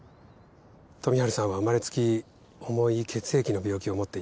富治さんは生まれつき重い血液の病気を持っていた。